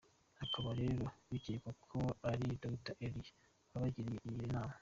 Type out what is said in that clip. Hakaba rero bikekwako ari Dr. Eliel wabagiriye iyo nama.